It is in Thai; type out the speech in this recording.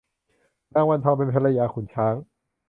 นางวันทองเป็นภรรยาขุนช้าง